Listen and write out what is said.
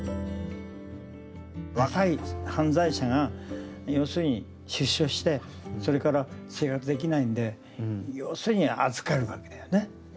若い犯罪者が要するに出所してそれから生活できないんで要するに預かるわけだよね。